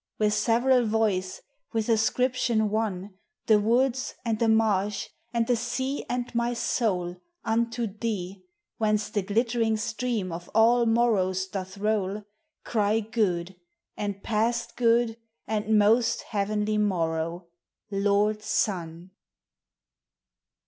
With several voice, with ascription one, rhe woods and the marsh and the sea and my soul Unto thee, whence the glittering stream of all morrows doth roll, Dry good, and past good, and most heavenly m<>r row, lord Sun